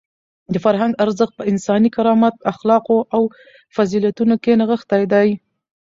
د فرهنګ ارزښت په انساني کرامت، اخلاقو او فضیلتونو کې نغښتی دی.